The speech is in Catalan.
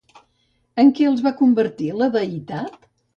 En què els va convertir, la deïtat?